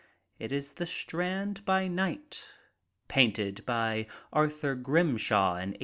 It is the Strand by night, painted by Arthur Grimshaw in 1887.